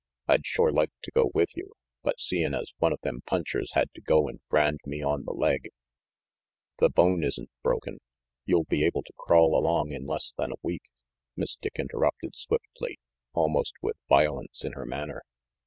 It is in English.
I'd shore like to go with you, but seein' as one of them punchers had to go and brand me on the leg " "The bone isn't broken. You'll be able to crawl along in less than a week," Miss Dick interrupted swiftly, almost with violence in her manner.